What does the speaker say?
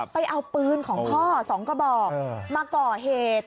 ไปเอาปืนของพ่อ๒กระบอกมาก่อเหตุ